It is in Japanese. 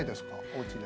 おうちで。